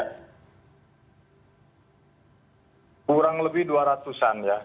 kurang lebih dua ratusan ya